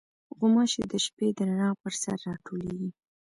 غوماشې د شپې د رڼا پر سر راټولېږي.